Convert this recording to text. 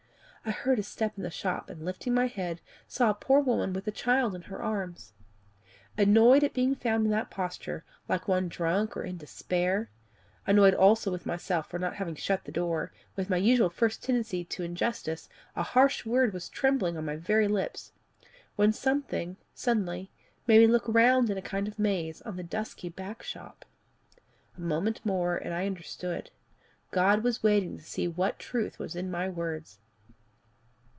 I heard a step in the shop, and lifting my head, saw a poor woman with a child in her arms. Annoyed at being found in that posture, like one drunk or in despair; annoyed also with myself for not having shut the door, with my usual first tendency to injustice a harsh word was trembling on my very lips, when suddenly something made me look round in a kind of maze on the dusky back shop. A moment more and I understood: God was waiting to see what truth was in my words.